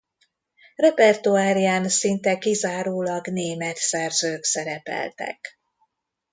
Repertoárján szinte kizárólag német szerzők szerepeltek.